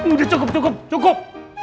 udah cukup cukup cukup